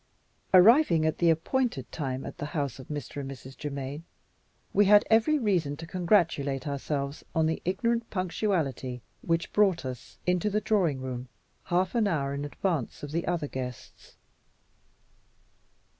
Arriving at the appointed time at the house of Mr. and Mrs. Germaine, we had every reason to congratulate ourselves on the ignorant punctuality which had brought us into the drawing room half an hour in advance of the other guests.